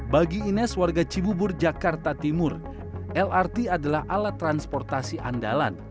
bagi ines warga cibubur jakarta timur lrt adalah alat transportasi andalan